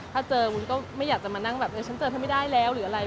ถ้าเจอวุ้นก็ไม่อยากจะมานั่งแบบเออฉันเจอเธอไม่ได้แล้วหรืออะไร